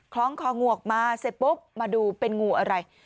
ล้องคองวกมาเสร็จปุ๊บมาดูเป็นงูอะไร